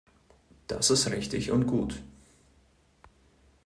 Das ist richtig und gut.